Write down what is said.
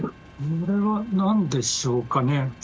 それは何でしょうかね。